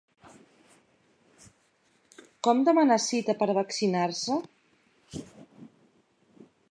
Com demanar cita per a vaccinar-se?